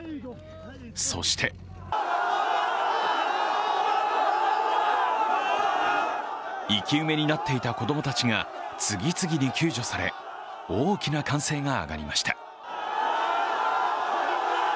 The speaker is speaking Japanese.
そして生き埋めになっていた子供たちが次々に救助され大きな歓声が上がりました。